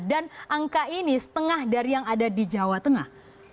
angka ini setengah dari yang ada di jawa tengah